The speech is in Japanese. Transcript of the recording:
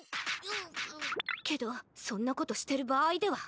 んけどそんなことしてるばあいでは。